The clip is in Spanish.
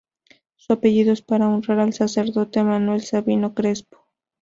Su apellido es para honrar al sacerdote Manuel Sabino Crespo.